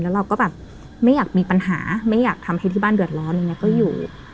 แล้วเราก็แบบไม่อยากมีปัญหาไม่อยากทำให้ที่บ้านเดือดร้อนอะไรอย่างนี้ก็อยู่